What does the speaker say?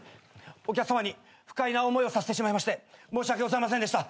お客さまに不快な思いをさせてしまいまして申し訳ございませんでした。